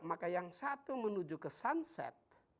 maka yang satu menuju ke sunset